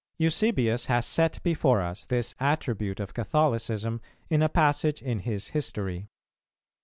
Eusebius has set before us this attribute of Catholicism in a passage in his history.